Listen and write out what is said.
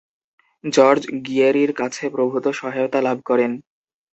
George গিয়েরি’র কাছ থেকে প্রভূতঃ সহায়তা লাভ করেন।